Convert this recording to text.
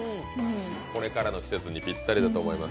これからの季節にぴったりだと思います。